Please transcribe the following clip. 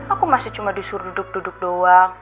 aku masih cuma disuruh duduk duduk doang